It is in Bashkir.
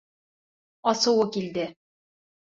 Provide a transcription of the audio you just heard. Асыуы килде.